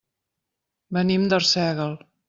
Venim d'Arsèguel.